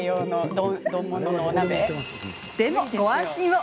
でも、ご安心を！